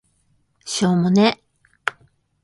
しょーもね